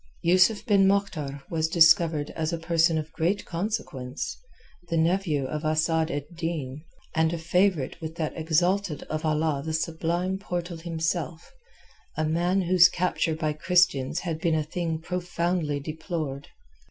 Yusuf ben Moktar was discovered as a person of great consequence, the nephew of Asad ed Din, and a favourite with that Exalted of Allah the Sublime Portal himself, a man whose capture by Christians had been a thing profoundly deplored.